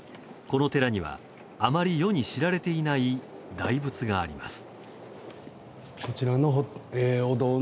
この寺には、あまり世に知られていない大仏があります。